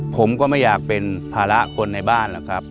ผมก็ไม่อยากเป็นภาระคนในบ้านหรอกครับ